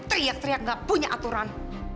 teriak teriak gak punya aturan